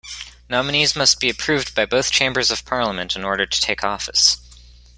Nominees must be approved by both chambers of parliament in order to take office.